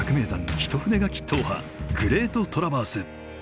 一筆書き踏破「グレートトラバース」。